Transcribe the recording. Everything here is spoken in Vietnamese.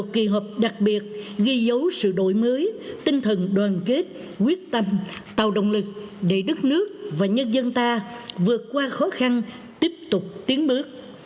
kỳ họp đặc biệt ghi dấu sự đổi mới tinh thần đoàn kết quyết tâm tạo động lực để đất nước và nhân dân ta vượt qua khó khăn tiếp tục tiến bước